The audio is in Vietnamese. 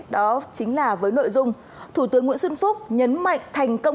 đó chính là với nội dung thủ tướng nguyễn xuân phúc nhấn mạnh thành công